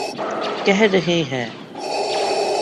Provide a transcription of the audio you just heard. کہہ رہے ہیں۔